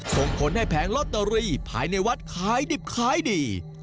ส่งผลให้แผงลอตเตอรี่ภายในวัดขายดิบขายดี